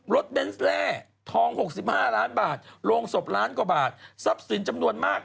เบนส์แร่ทอง๖๕ล้านบาทโรงศพล้านกว่าบาททรัพย์สินจำนวนมาก